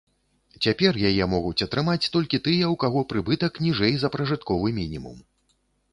Цяпер яе могуць атрымаць толькі тыя, у каго прыбытак ніжэй за пражытковы мінімум.